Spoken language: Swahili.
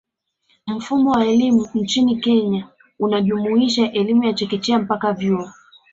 Mfumo wa elimu nchini Kenya unajumuisha elimu ya chekechea mpaka vyuo